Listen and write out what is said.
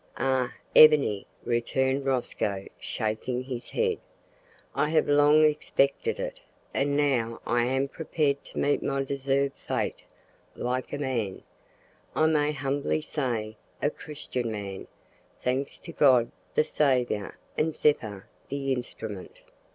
"Ah! Ebony," returned Rosco, shaking his head, "I have long expected it, and now I am prepared to meet my deserved fate like a man I may humbly say, a Christian man, thanks to God the Saviour and Zeppa the instrument.